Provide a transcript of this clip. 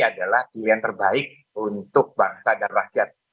adalah pilihan terbaik untuk bangsa dan rakyat